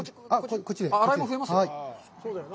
こっちで。